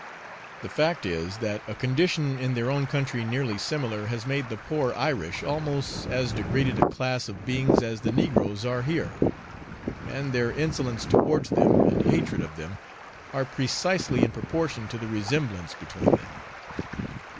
The fact is, that a condition in their own country nearly similar, has made the poor Irish almost as degraded a class of beings as the negroes are here, and their insolence towards them, and hatred of them, are precisely in proportion to the resemblance between them.